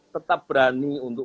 tetap berani untuk